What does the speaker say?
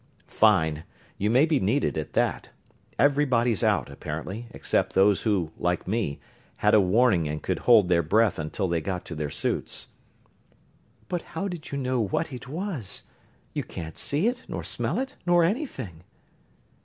"Fine you may be needed, at that. Everybody's out, apparently, except those who, like me, had a warning and could hold their breath until they got to their suits." "But how did you know what it was? You can't see it, nor smell it, nor anything."